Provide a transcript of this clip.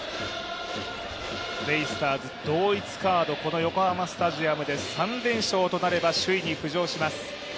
ベイスターズ、同一カード、この横浜スタジアムで３連勝となれば首位に浮上します。